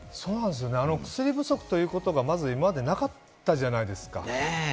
薬不足ということが今までなかったじゃないですか。